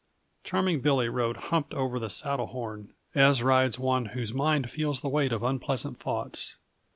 _ Charming Billy rode humped over the saddle horn, as rides one whose mind feels the weight of unpleasant thoughts.